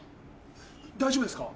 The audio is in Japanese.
大丈夫ですか？